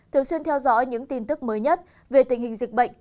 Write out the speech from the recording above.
thường xuyên theo dõi những tin tức mới nhất về tình hình dịch bệnh